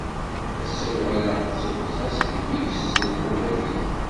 Ass-a uɣaleɣ d tufza deg imi-k s lqubat-ik.